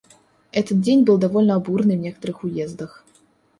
Этот день был довольно бурный в некоторых уездах.